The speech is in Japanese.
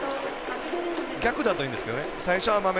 逆だといいんですけどね。